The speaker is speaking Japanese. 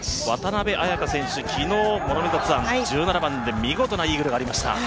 渡邉彩香選手、昨日１７番で見事なイーグルがありました。